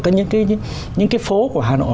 có những cái phố của hà nội